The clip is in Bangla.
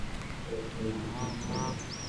অবশ্যই বিশ্বাস করব।